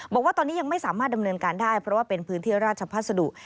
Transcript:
บอกว่าตอนนี้ยังไม่สามารถดำเนินการได้เพราะว่าเป็นพื้นที่ราชพัสดุ